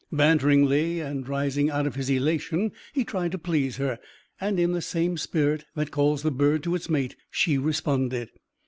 Banteringly, and rising out of his elation, he tried to please her, and, in the same spirit that calls the bird to its mate, she responded.